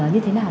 như thế nào